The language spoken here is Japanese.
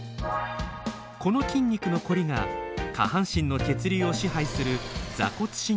この筋肉のコリが下半身の血流を支配する座骨神経を圧迫。